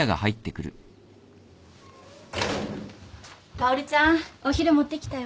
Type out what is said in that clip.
・薫ちゃんお昼持ってきたよ。